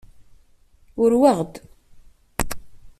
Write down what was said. Urweɣ-d.